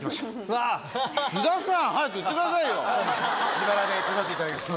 自腹で来さしていただきました。